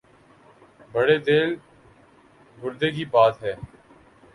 بڑے دل گردے کی بات ہے۔